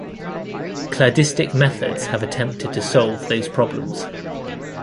Cladistic methods have attempted to solve those problems.